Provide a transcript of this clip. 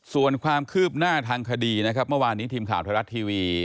ส่วนความคืบหน้าทางคดีนะครับเมื่อวานนี้ทีมข่าวไทยรัฐทีวี